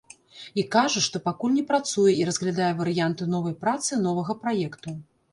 І кажа, што пакуль не працуе і разглядае варыянты новай працы, новага праекту.